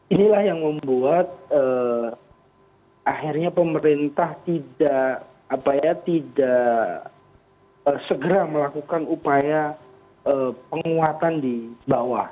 inilah yang membuat akhirnya pemerintah tidak segera melakukan upaya penguatan di bawah